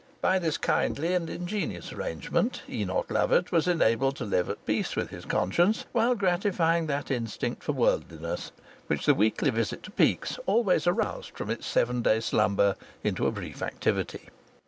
By this kindly and ingenious arrangement Enoch Lovatt was enabled to live at peace with his conscience while gratifying that instinct for worldliness which the weekly visit to Peake's always aroused from its seven day slumber into a brief activity.